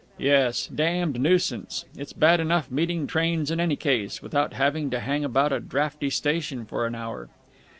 "Yes. Damned nuisance. It's bad enough meeting trains in any case, without having to hang about a draughty station for an hour."